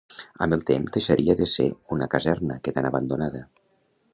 Amb el temps deixaria de ser una caserna, quedant abandonada.